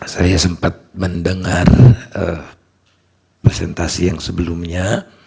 saya sempat mendengar presentasi yang sebelumnya